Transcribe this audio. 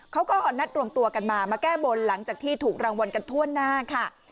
เขาก็นัดรวมตัวกันมามาแก้บนหลังจากที่ถูกรางวัลกันทั่วหน้าค่ะ